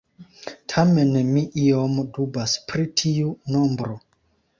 Tamen mi iom dubas pri tiu nombro.